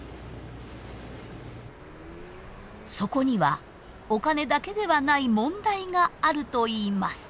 そこにはお金だけではない問題があるといいます。